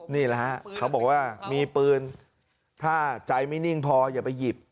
นี่แหละฮะเขาบอกว่ามีปืนถ้าใจไม่นิ่งพออย่าไปหยิบ